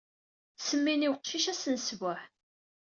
Ttsemmin i uqcic ass n sebuɛ.